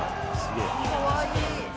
「かわいい」